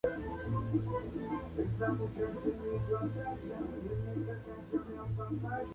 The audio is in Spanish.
En este caso no hay personajes que acompañen la escena principal.